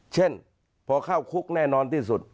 เช่นพอเข้าคุกแน่นอนที่สุด